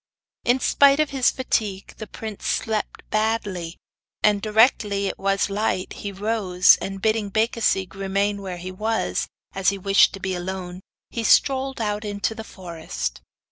In spite of his fatigue, the prince slept badly, and directly it was light he rose, and bidding Becasigue remain where he was, as he wished to be alone, he strolled out into the forest.